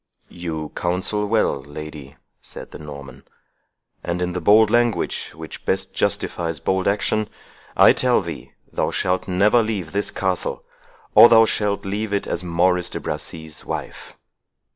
"You counsel well, lady," said the Norman; "and in the bold language which best justifies bold action I tell thee, thou shalt never leave this castle, or thou shalt leave it as Maurice de Bracy's wife.